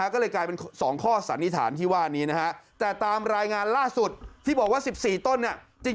ก็เลยกลายเป็น๒ข้อสันนิษฐานที่ว่านี้นะฮะแต่ตามรายงานล่าสุดที่บอกว่า๑๔ต้นเนี่ย